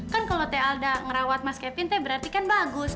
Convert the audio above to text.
kan kalau teh alda ngerawat mas kevin teh berarti kan bagus